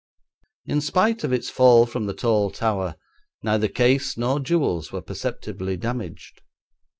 In spite of its fall from the tall tower neither case nor jewels were perceptibly damaged.